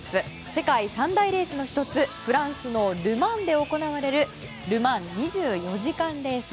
世界三大レースの１つフランスのル・マンで行われるル・マン２４時間レース。